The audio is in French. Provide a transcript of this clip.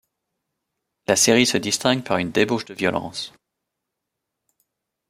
La série se distingue par une débauche de violence.